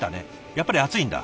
やっぱり熱いんだ。